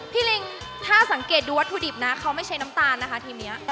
ลิงถ้าสังเกตดูวัตถุดิบนะเขาไม่ใช้น้ำตาลนะคะทีมนี้